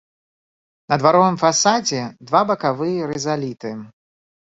На дваровым фасадзе два бакавыя рызаліты.